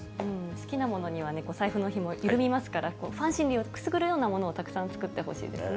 好きなものにはお財布のひも、緩みますから、ファン心理をくすぐるようなものを、たくさん作ってほしいですね。